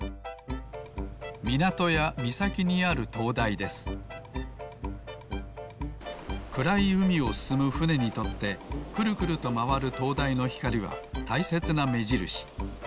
みなとやみさきにあるとうだいですくらいうみをすすむふねにとってくるくるとまわるとうだいのひかりはたいせつなめじるし。